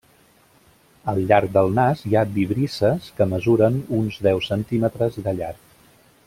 Al llarg del nas hi ha vibrisses que mesuren uns deu centímetres de llarg.